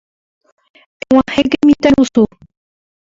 Eg̃uahẽke mitãrusu.